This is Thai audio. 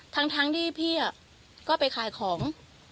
ทั้งทั้งที่พี่อ่ะก็ไปขายของ